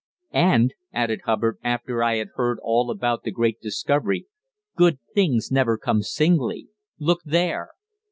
"And," added Hubbard, after I had heard all about the great discovery, "good things never come singly. Look there!"